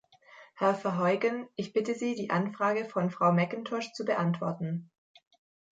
Herr Verheugen, ich bitte Sie, die Anfrage von Frau McIntosh zu beantworten.